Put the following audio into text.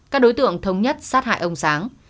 các đối tượng thống nhất sát hại ông xáng